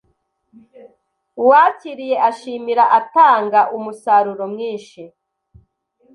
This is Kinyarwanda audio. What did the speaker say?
Uwakiriye ashimira atanga umusaruro mwinshi